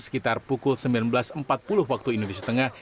sekitar pukul sembilan belas empat puluh waktu indonesia tengah